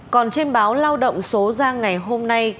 còn trên báo lao động số ra ngày hôm nay